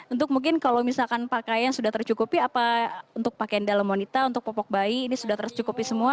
untuk mungkin kalau misalkan pakaian sudah tercukupi apa untuk pakaian dalam wanita untuk popok bayi ini sudah tercukupi semua